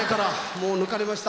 もう抜かれました。